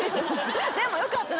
でもよかった。